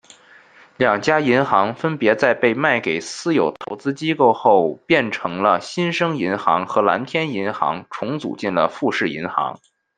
两家银行分别在被卖给私有投资机构后变成了新生银行和蓝天银行重组进了富士银行。